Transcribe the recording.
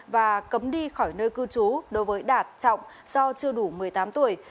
và cấm đi khỏi nơi cư trú đối với đạt trọng do chưa đủ một mươi tám tuổi